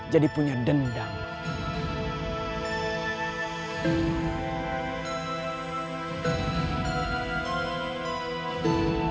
jadi punya dendam